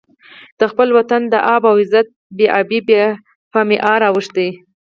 د خپل وطن د آب او عزت بې ابۍ په معیار اوښتی.